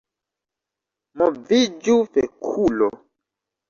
Moviĝu fekulo